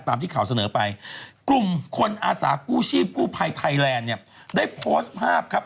ที่ข่าวเสนอไปกลุ่มคนอาสากู้ชีพกู้ภัยไทยแลนด์เนี่ยได้โพสต์ภาพครับ